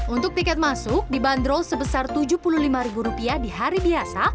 untuk tiket masuk dibanderol sebesar tujuh puluh lima ribu rupiah di hari biasa